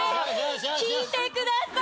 聞いてください。